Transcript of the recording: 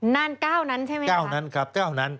นั่นก้าวนั้นใช่ไหมครับ